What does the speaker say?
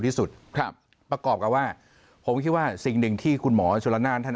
ที่สุดครับประกอบกับว่าผมคิดว่าสิ่งหนึ่งที่คุณหมอชนละนานท่าน